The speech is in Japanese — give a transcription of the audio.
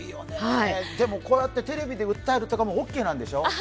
こうやってテレビで訴えるとか、オーケーなんでしょう？